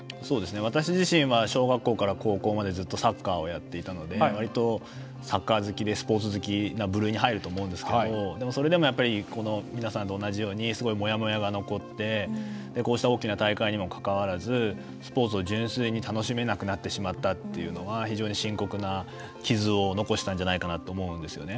私自身は小学校から高校までずっとサッカーをやっていたので割と、サッカー好きでスポーツ好きな部類に入ると思うんですけどそれでも皆さんと同じようにすごい、もやもやが残ってこうした大きな大会にもかかわらずスポーツを純粋に楽しめなくなってしまったというのは非常に深刻な傷を残したんじゃないかなと思うんですよね。